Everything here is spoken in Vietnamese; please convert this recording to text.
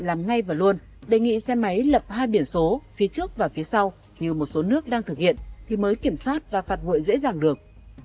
làm ngay và luôn đề nghị xe máy lập hai biển số phía trước và phía sau như một số nước đang thực hiện thì mới kiểm soát và phạt nguội dễ dàng được